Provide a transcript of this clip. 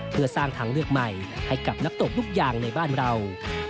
เพื่อสร้างทางเลือกใหม่ให้กับนักตบลูกยางในบ้านเรา